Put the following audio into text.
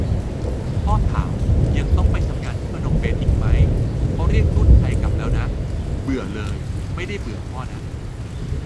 พ่อถาม ยังต้องไปทำงานที่พนมเปญอีกมั๊ย ? เค้าเรียกทูตไทยกลับแล้วนะ - เบื่อเลย ไม่ได้เบื่อพ่อนะ